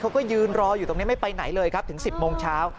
เขาก็ยืนรออยู่ตรงนี้ไม่ไปไหนเลยครับถึง๑๐โมงเช้า